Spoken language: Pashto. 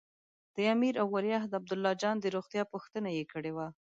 د امیر او ولیعهد عبدالله جان د روغتیا پوښتنه یې کړې وه.